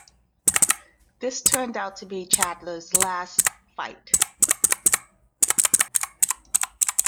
This turned out to be Chandler's last fight.